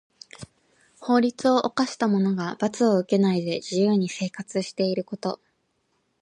法律を犯した者が罰を受けないで自由に生活していること。